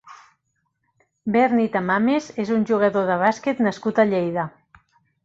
Berni Tamames és un jugador de bàsquet nascut a Lleida.